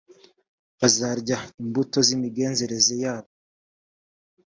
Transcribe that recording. bazarya imbuto z imigenzereze yabo